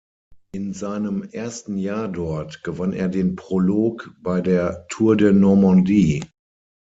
In seinem ersten Jahr dort gewann er den Prolog bei der Tour de Normandie.